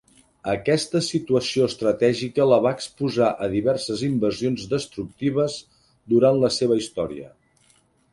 Aquesta situació estratègica la va exposar a diverses invasions destructives durant la seva història.